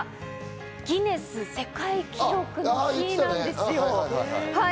ギネス世界記録の日なんですよ。